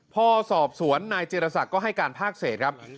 พอสอบสวนนายเจรศักดิ์ก็ให้การภาคเศษครับ